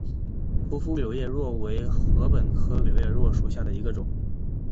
匍匐柳叶箬为禾本科柳叶箬属下的一个种。